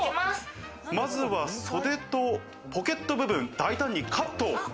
まずは袖とポケット部分を大胆にカット。